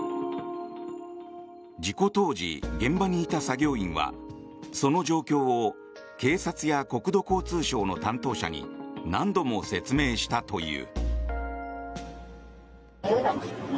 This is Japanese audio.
事故当時、現場にいた作業員はその状況を警察や国土交通省の担当者に何度も説明したという。